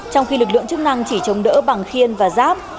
trong khi lực lượng chức năng chỉ chống đỡ bằng khiên và giáp